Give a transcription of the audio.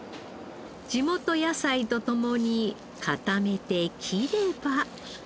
地元野菜と共に固めて切れば。